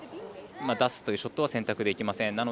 出すというショットは選択できません。